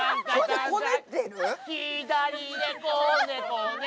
左でこねこね。